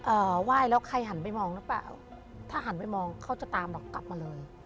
ไหว้แล้วใครหันไปมองหรือเปล่าถ้าหันไปมองเขาจะตามเรากลับมาเลย